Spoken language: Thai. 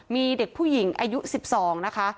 มีเด็กผู้หญิงอายุ๑๒นะคะ